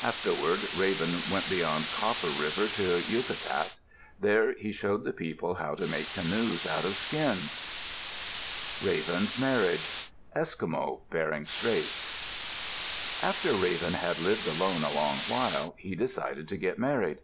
Afterward Raven went beyond Copper River to Yukatat. There he showed the people how to make canoes out of skins. RAVEN'S MARRIAGE Eskimo (Bering Straits) After Raven had lived alone a long while, he decided to get married.